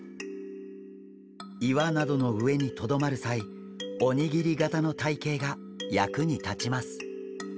岩などの上にとどまる際おにぎり型の体形が役に立ちます。